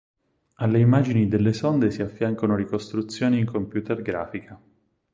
Alle immagini delle sonde si affiancano ricostruzioni in computer grafica.